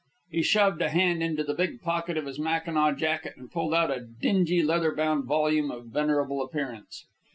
He shoved a hand into the big pocket of his mackinaw jacket and pulled out a dingy leather bound volume of venerable appearance.